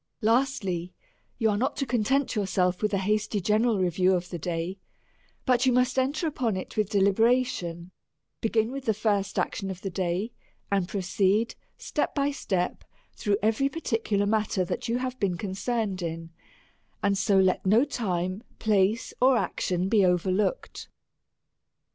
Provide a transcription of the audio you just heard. Lastli/, You are not to content yourself with a hasty general review of the day, but you must enter upon it with deliberation ; begin with the first action of the day, and proceed, step by step, through every particu lar matter that you have been concerned in, and so let no time, place, or action be overlooked.